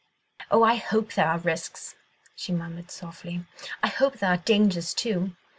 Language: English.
"Oh, I hope there are risks!" she murmured softly. "I hope there are dangers, too!